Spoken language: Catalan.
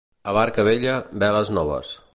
A barca vella, veles noves.